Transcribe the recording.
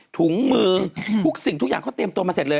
ถุงมือทุกสิ่งทุกอย่างเขาเตรียมตัวมาเสร็จเลย